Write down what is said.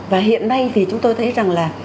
và hiện nay thì chúng tôi thấy rằng là